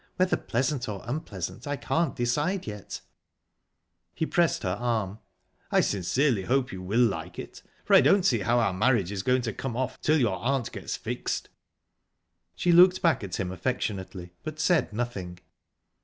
Whether pleasant or unpleasant I can't decide yet." He pressed her arm. "I sincerely hope you will like it, for I don't see how our marriage is going to come off till your aunt gets fixed." She looked back at him affectionately, but said nothing.